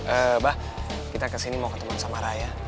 eee mbak kita kesini mau ketemu sama raya